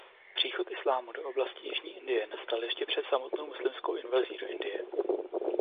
Příchod islámu do oblasti Jižní Indie nastal ještě před samotnou muslimskou invazí do Indie.